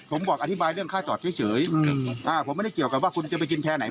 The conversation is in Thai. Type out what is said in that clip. ผมบอกอธิบายเรื่องค่าจอดเฉยอ่าผมไม่ได้เกี่ยวกับว่าคุณจะไปกินแทนไหน